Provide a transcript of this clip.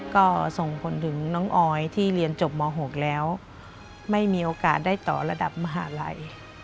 ก็ส่งผลถึงน้องออยที่เรียนจบม๖แล้วไม่มีโอกาสได้ต่อระดับมหาลัย